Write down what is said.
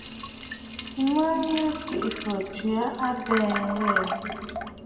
Miʼi mɨ Kweʼefɔ̀ tswe aa a mbɛ̀ɛ̀ ŋ̀gɛ̀ɛ̀.